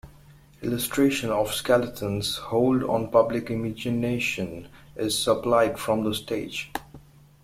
Illustration of Skelton's hold on public imagination is supplied from the stage.